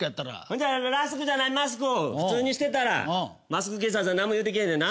じゃあラスクじゃないマスク普通にしてたらマスク警察は何も言ってけえへんな。